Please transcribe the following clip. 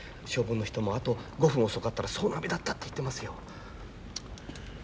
消防の人もあと５分遅かったら総なめだったって言ってますよ。